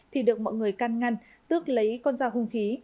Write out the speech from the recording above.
thì được mọi người căn ngăn tước lấy con dao hung khí